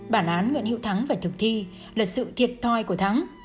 bản án nguyễn hiệu thắng phải thực thi là sự thiệt thoi của thắng